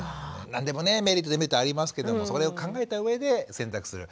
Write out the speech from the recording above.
何でもねメリット・デメリットありますけどもそれを考えたうえで選択する。